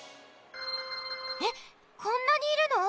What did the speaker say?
えっこんなにいるの？